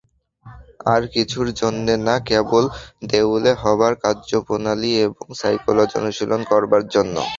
আর-কিছুর জন্যে না, কেবল দেউলে হবার কার্যপ্রণালী এবং সাইকোলজি অনুশীলন করবার জন্যে।